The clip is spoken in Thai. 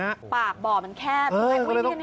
ปากบ่อมันแคบดูนี่